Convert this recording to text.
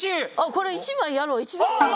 これ１枚やろう１枚やろう。